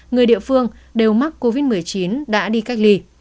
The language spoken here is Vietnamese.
người địa phương đều mắc covid một mươi chín đã đi cách ly